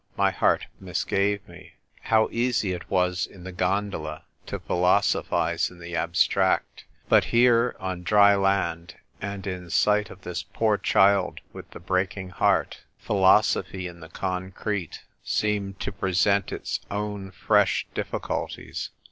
My heart misgave me. How easy it was in the gondola to philoso phise in the abstract ; but here, on dry land, and in sight of this poor child with the break ing heart — philosophy in the concrete seemed to present its own fresh difficulties.